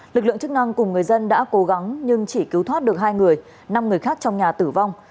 lực lượng chức năng cùng người dân đã cố gắng nhưng chỉ cứu thoát được hai người năm người khác trong nhà tử vong